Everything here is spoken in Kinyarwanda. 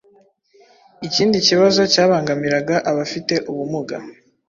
Ikindi kibazo cyabangamiraga abafite ubumuga